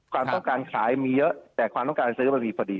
ความต้องการขายมีเยอะแต่ความต้องการซื้อมันมีพอดี